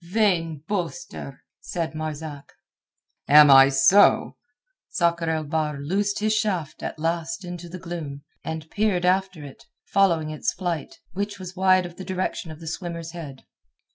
"Vain boaster," said Marzak. "Am I so?" Sakr el Bahr loosed his shaft at last into the gloom, and peered after it following its flight, which was wide of the direction of the swimmer's head.